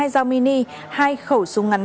một mươi hai dao mini hai khẩu súng ngắn